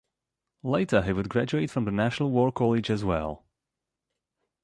Later he would graduate from the National War College as well.